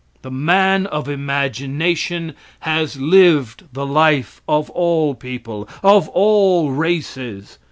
The man of imagination has lived the life of all people, of all races.